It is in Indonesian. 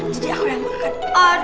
jadi aku yang makan